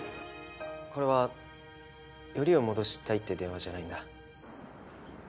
これはよりを戻したいって電話じゃないんだ。